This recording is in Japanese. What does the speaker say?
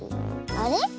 あれ？